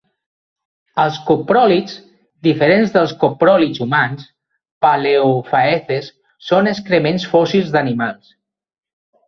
Els copròlits, diferents dels copròlits humans (paleofaeces) són excrements fòssils d'animals.